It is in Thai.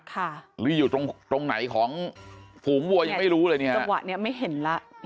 หรืออยู่ตรงตรงไหนของฝูงวัวยังไม่รู้เลยเนี้ยจังหวะเนี้ยไม่เห็นแล้ว